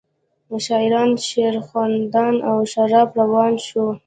شاعران شعرخواندند او شراب روان شو.